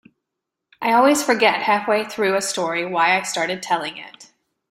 I always forget halfway through a story why I started telling it.